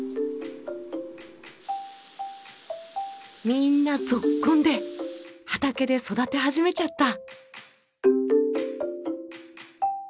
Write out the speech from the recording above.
みんなぞっこんで畑で育て始めちゃった。